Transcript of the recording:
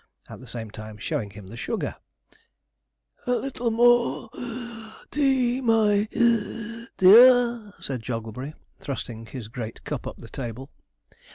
at the same time showing him the sugar. 'A little more (puff) tea, my (wheeze) dear,' said Jogglebury, thrusting his great cup up the table.